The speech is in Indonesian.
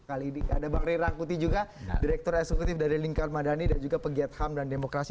ada bang rira akuti juga direktur eksekutif dari lingkar madani dan juga pegiat ham dan demokrasi